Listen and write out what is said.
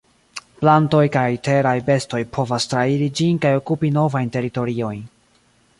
Plantoj kaj teraj bestoj povas trairi ĝin kaj okupi novajn teritoriojn.